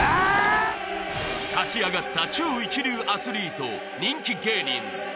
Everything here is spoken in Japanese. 立ち上がった超一流アスリート人気芸人